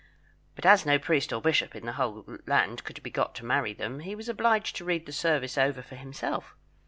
But as no priest or bishop in the whole land could be got to marry them, he was obliged to read the service over for himself.